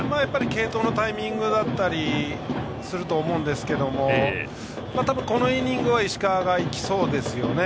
継投のタイミングだったりすると思いますが多分、このイニングは石川が行きそうですよね。